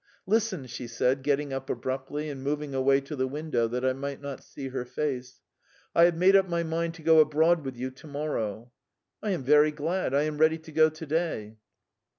"Listen," she said, getting up abruptly and moving away to the window that I might not see her face. "I have made up my mind to go abroad with you tomorrow." "I am very glad. I am ready to go today."